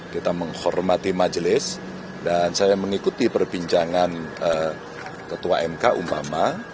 kita menghormati majelis dan saya mengikuti perbincangan ketua mk umpama